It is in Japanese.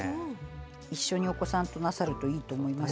一緒にお子さんとなさるといいと思います。